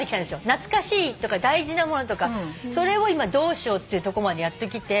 懐かしいとか大事な物とかそれを今どうしようってとこまでやっときて。